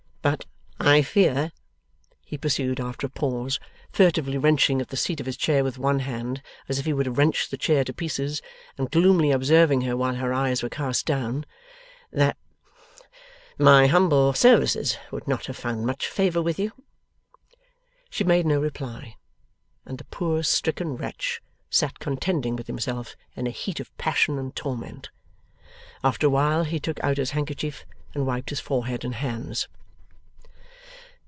'But I fear,' he pursued, after a pause, furtively wrenching at the seat of his chair with one hand, as if he would have wrenched the chair to pieces, and gloomily observing her while her eyes were cast down, 'that my humble services would not have found much favour with you?' She made no reply, and the poor stricken wretch sat contending with himself in a heat of passion and torment. After a while he took out his handkerchief and wiped his forehead and hands.